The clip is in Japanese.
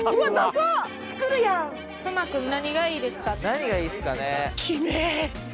何がいいっすかね？